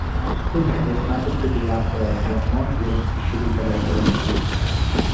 High school থেকে স্নাতক degree লাভ করার পর নর্থ ওয়েস্ট বিশ্ববিদ্যালয়ে পড়াশোনা করেন।